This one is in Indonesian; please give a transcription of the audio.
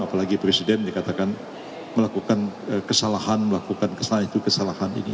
apalagi presiden dikatakan melakukan kesalahan melakukan kesalahan itu kesalahan ini